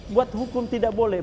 buat hukum tidak boleh